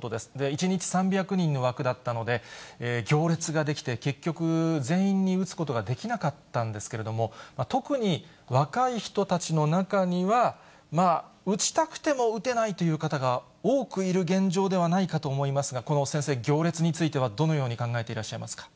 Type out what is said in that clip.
１日３００人の枠だったので、行列が出来て、結局、全員に打つことができなかったんですけれども、特に若い人たちの中には、打ちたくても打てないという方が多くいる現状ではないかと思いますが、先生、行列についてはどのように考えていらっしゃいますか。